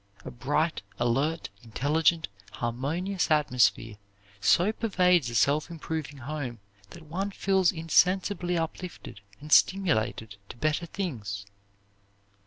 A bright, alert, intelligent, harmonious atmosphere so pervades a self improving home that one feels insensibly uplifted and stimulated to better things.